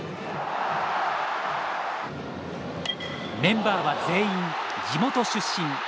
メンバーは全員地元出身。